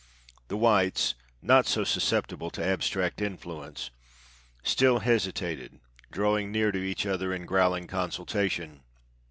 The whites, not so susceptible to abstract influence, still hesitated, drawing near to each other in growling consultation.